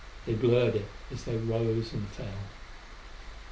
They blurred it as they rose and fell.